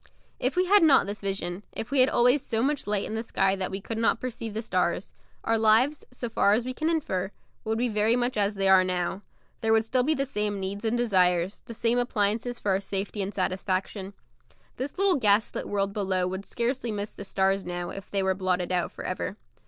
If we had not this vision, if we had always so much light in the sky that we could not perceive the stars, our lives, so far as we can infer, would be very much as they are now; there would still be the same needs and desires, the same appliances for our safety and satisfaction; this little gaslit world below would scarcely miss the stars now, if they were blotted out for ever.